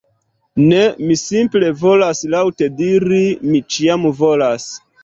Ne, mi simple volas laŭte diri "Mi ĉiam volas!"